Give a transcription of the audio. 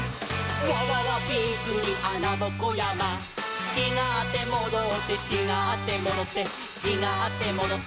「わわわびっくりあなぼこやま」「ちがってもどって」「ちがってもどってちがってもどって」